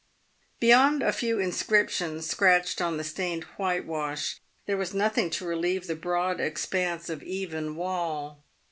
Beyond a few inscriptions scratched on the stained whitewash, there was nothing to relieve the broad expanse of even wall.